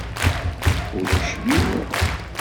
Ulac yiwen.